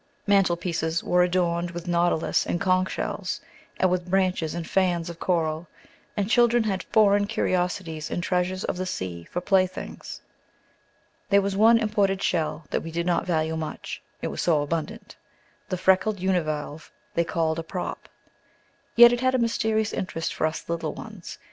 Mantel pieces were adorned with nautilus and conch shells, and with branches and fans of coral; and children had foreign curiosities and treasures of the sea for playthings. There was one imported shell that we did not value much, it was so abundant the freckled univalve they called a "prop." Yet it had a mysterious interest for us little ones.